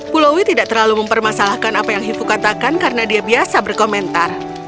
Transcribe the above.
pulaui tidak terlalu mempermasalahkan apa yang hifu katakan karena dia biasa berkomentar